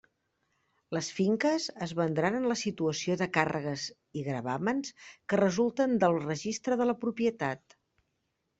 Les finques es vendran en la situació de càrregues i gravàmens que resulten del registre de la propietat.